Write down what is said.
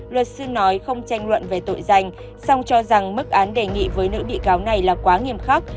luật sư nói không tranh luận về tội danh song cho rằng mức án đề nghị với nữ bị cáo này là quá nghiêm khắc